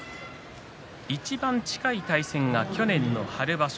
いちばん近い対戦は去年の春場所。